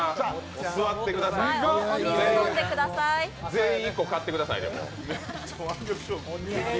全員、１個買ってくださいね。